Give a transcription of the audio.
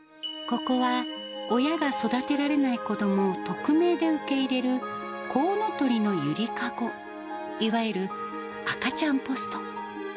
ここは、親が育てられない子どもを匿名で受け入れる、こうのとりのゆりかご、いわゆる赤ちゃんポスト。